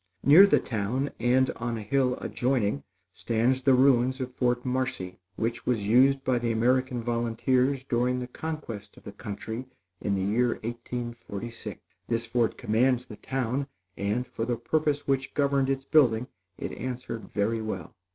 Near the town, and on a hill adjoining, stands the ruins of Fort Marcy, which was used by the American Volunteers during the conquest of the country in the year 1846. This fort commands the town; and, for the purpose which governed its building it answered very well.